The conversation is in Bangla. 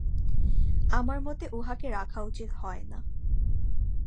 আমার মতে উঁহাকে রাখা উচিত হয় না।